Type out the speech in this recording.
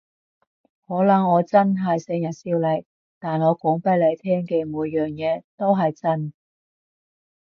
可能我真係成日笑你，但我講畀你聽嘅每樣嘢都係真